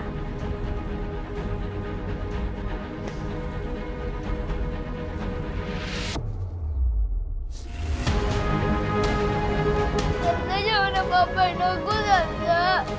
tante jangan nangkepin aku tante